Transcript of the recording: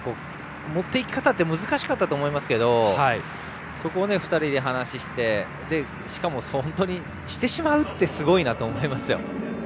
持っていき方って難しかったと思いますけどそこを２人で話してしかも、本当にしてしまうっていうのはすごいと思いますよ。